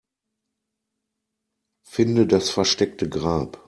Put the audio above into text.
Finde das versteckte Grab.